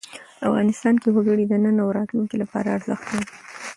افغانستان کې وګړي د نن او راتلونکي لپاره ارزښت لري.